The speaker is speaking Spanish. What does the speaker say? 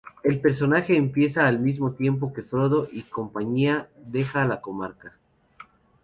El personaje empieza al mismo tiempo que Frodo y compañía dejan la Comarca.